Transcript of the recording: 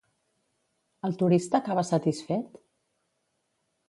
El turista acaba satisfet?